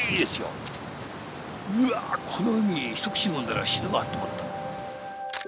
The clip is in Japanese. うわぁこの海一口飲んだら死ぬわと思った。